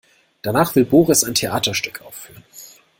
Danach will Boris ein Theaterstück aufführen.